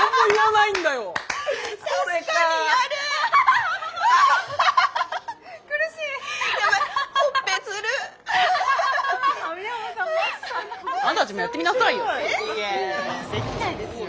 いやいやできないですよ。